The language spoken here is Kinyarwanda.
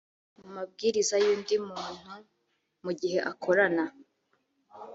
mabwiriza y undi muntu mu gihe akorana